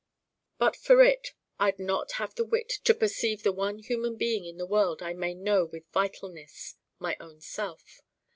But for it I'd not have the wit to perceive the one human being in the world I may know with vitalness: my own Self.